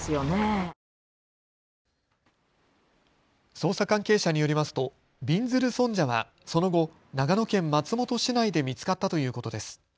捜査関係者によりますとびんずる尊者はその後、長野県松本市内で見つかったということです。